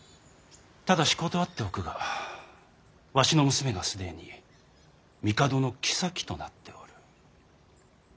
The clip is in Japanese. ただし断っておくがわしの娘が既に帝の后となっておる。